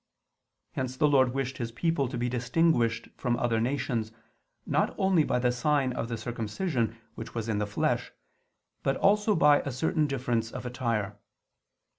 Hence the Lord wished His people to be distinguished from other nations, not only by the sign of the circumcision, which was in the flesh, but also by a certain difference of attire.